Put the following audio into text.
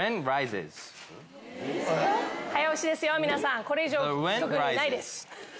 早押しですよ皆さんこれ以上特にないです。